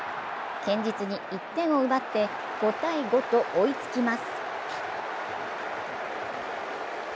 堅実に１点を奪って５−５と追いつきます。